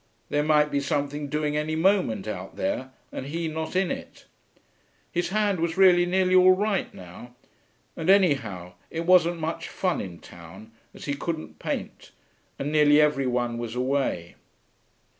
There might be something doing any moment out there, and he not in it. His hand was really nearly all right now. And anyhow, it wasn't much fun in town, as he couldn't paint, and nearly every one was away.